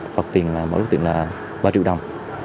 phạt tiền là ba triệu đồng